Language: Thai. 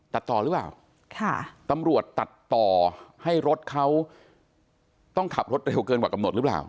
ตัดต่อหรือเปล่าตำรวจตัดต่อให้รถเขาต้องขับรถเร็วเกินกว่ากำหนดหรือเปล่า